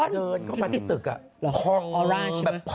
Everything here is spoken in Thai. เดินเข้ามาถึงตึก